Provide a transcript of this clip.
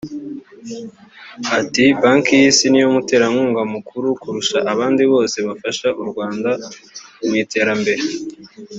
Ati “Banki y’Isi niyo muterankunga mukuru kurusha abandi bose bafasha u Rwanda mu iterambere